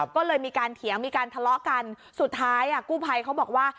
ก็เลยมีการเถียงมีการทะเลาะกันสุดท้ายกู้ภัยเขาบอกว่า